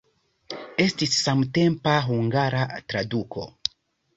Estis samtempa hungara traduko.